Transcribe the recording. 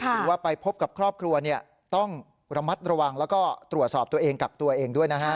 หรือว่าไปพบกับครอบครัวต้องระมัดระวังแล้วก็ตรวจสอบตัวเองกักตัวเองด้วยนะฮะ